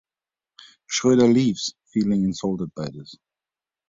Schroeder leaves feeling insulted by this.